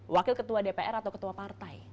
wakil ketua dpr atau ketua partai